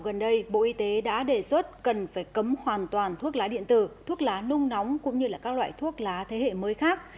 gần đây bộ y tế đã đề xuất cần phải cấm hoàn toàn thuốc lá điện tử thuốc lá nung nóng cũng như các loại thuốc lá thế hệ mới khác